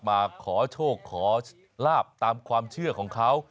มาขอโชคขอลาบตามความเชื่อของเขา